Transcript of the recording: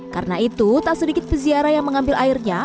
karena itu tak sedikit peziarah yang mengambil airnya